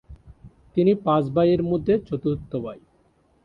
তিনি পাঁচ ভাইয়ের মধ্যে চতুর্থ ভাই।